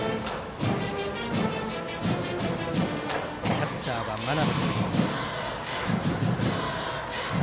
キャッチャーは真鍋。